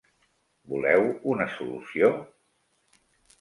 Voleu una solució?